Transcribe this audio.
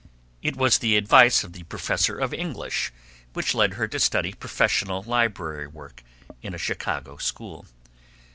It was the advice of the professor of English which led her to study professional library work in a Chicago school.